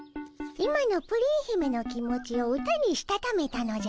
今のプリン姫の気持ちを歌にしたためたのじゃ。